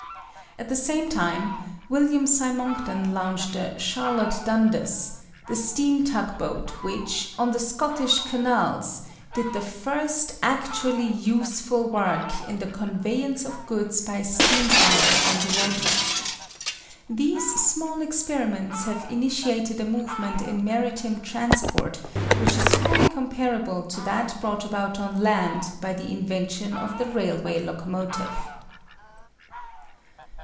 At the same time, William Symongton launched the Charlotte Dundas, the steam tug boat which, on the Scottish canals, did the first actually useful work in the conveyance of goods by steam power on the water. These small experiments have initiated a movement in maritime transport which is fully comparable to that brought about on land by the invention of the railway locomotive.